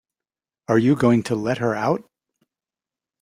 Are you going to let her out?